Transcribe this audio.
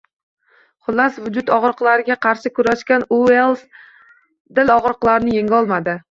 Xullas, vujud og‘riqlariga qarshi kurashgan Uelss dil og‘riqlarini yengolmadi